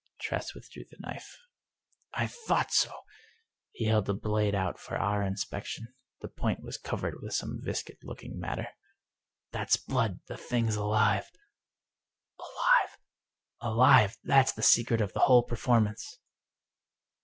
Tress withdrew the knife. " I thought so !" He held the blade out for our inspec tion. The point was covered with some viscid looking mat ter. " That's blood ! The thing's alive !" "Alive!" " Alive ! That's the secret of the whole performance